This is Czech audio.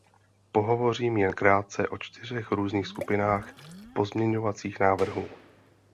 Pohovořím jen krátce o čtyřech různých skupinách pozměňovacích návrhů.